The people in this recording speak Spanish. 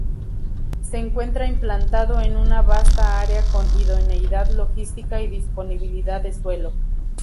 Se encuentra implantado en una vasta área con idoneidad logística y disponibilidad de suelo.